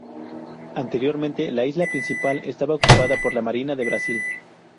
Anteriormente la isla principal estaba ocupada por la Marina de Brasil.